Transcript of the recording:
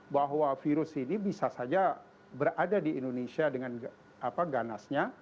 bahwa virus ini bisa saja berada di indonesia dengan ganasnya